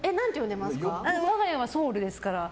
我が家はソウルですから。